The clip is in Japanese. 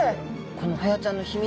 このホヤちゃんの秘密